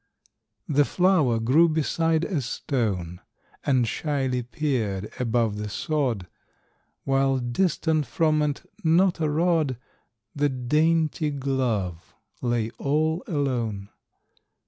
The flower grew beside a stone, And shyly peered above the sod, While, distant from it not a rod, The dainty glove lay all alone.